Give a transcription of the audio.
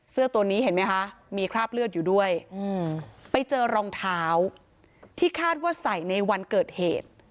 เสื้อตัวนี้เห็นไหมคะมีคราบเลือดอยู่ด้วยไปเจอรองเท้าที่คาดว่าใส่ในวันเกิดเหตุ